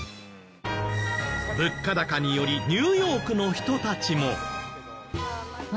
物価高によりニューヨークの人たちも。